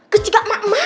kesiga mah emak